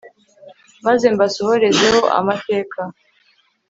maze mbasohorezeho amateka